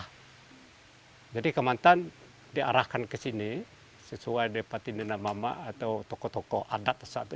hai jadi kemantan diarahkan ke sini sesuai depan ini nama atau tokoh tokoh ada tersatu